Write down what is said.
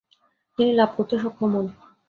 তিনি লাভ করতে সক্ষম হন।